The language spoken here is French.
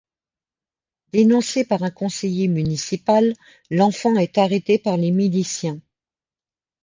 Dénoncé par un conseiller municipal, l'enfant est arrêté par les miliciens.